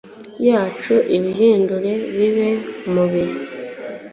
yacu, ubihindure bibe umubiri